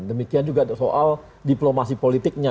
demikian juga soal diplomasi politiknya